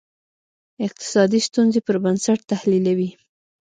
اقتصادي ستونزې پر بنسټ تحلیلوي.